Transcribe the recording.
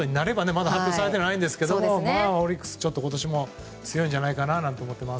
まだ発表されていませんがオリックスは今年も強いんじゃないかなと思っています。